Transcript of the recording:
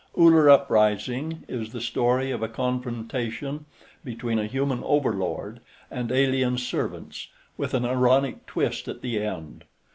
Uller Uprising is the story of a confrontation between a human overlord and alien servants, with an ironic twist at the end.